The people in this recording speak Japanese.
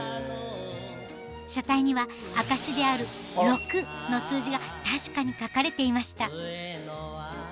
車体には証しである「６」の数字が確かに書かれていました。